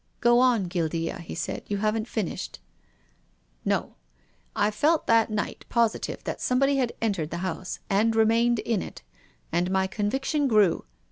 " Go on, Guildea," he said, " you haven't finished." " No. I felt tliat night positive that somebody had entered the house, and remained in it, and my conviction grew.